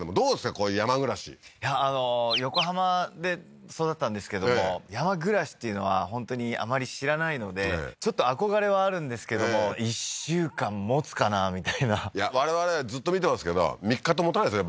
こういう山暮らし横浜で育ったんですけども山暮らしっていうのは本当にあまり知らないのでちょっと憧れはあるんですけども１週間もつかなみたいないや我々ずっと見てますけど３日ともたないですね